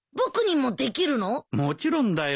もちろんだよ。